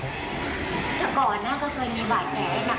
ก่อนนะก็เคยมีไหวแผลหนักอย่างนี้ให้เราเห็น